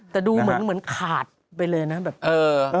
แต่ดูเหมือนขาดไปเลยนะแบบเออ